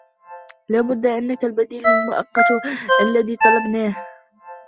لا بد أنك البديل المؤقت الذي طلبناه.